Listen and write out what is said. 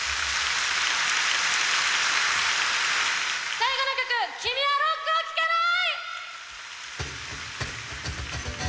最後の曲「君はロックを聴かない」！